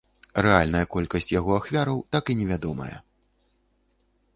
Рэальная колькасць яго ахвяраў так і невядомая.